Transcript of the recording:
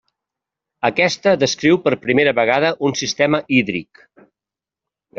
Aquesta descriu per primera vegada un sistema hídric.